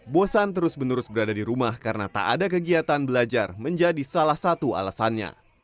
bosan terus menerus berada di rumah karena tak ada kegiatan belajar menjadi salah satu alasannya